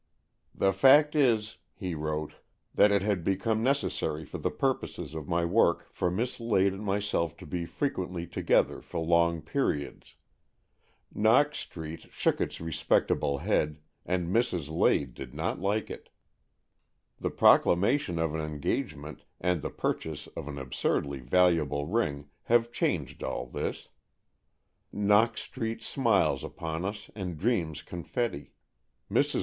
" The fact is," he wrote, " that it had be come necessary for the purposes of my work for Miss Lade and myself to be frequently together for long periods. Knox Street shook its respectable head, and Mrs. Lade did not like it. The proclamation of an engagement, and the purchase of an absurdly valuable ring, have changed all this. Knox 66 AN EXCHANGE OF SOULS Street smiles upon us, and dreams confetti. Mrs.